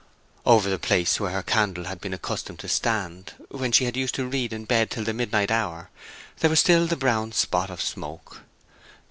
Over the place where her candle had been accustomed to stand, when she had used to read in bed till the midnight hour, there was still the brown spot of smoke.